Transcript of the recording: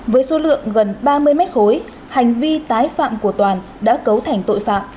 với số lượng gần ba mươi mét khối hành vi tái phạm của toàn đã cấu thành tội phạm